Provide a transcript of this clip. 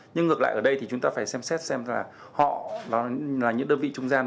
nhưng ngược lại ở đây thì chúng ta phải xem xét xem là họ là những đơn vị trung gian